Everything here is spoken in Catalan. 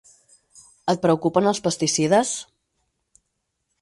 Et preocupen els pesticides?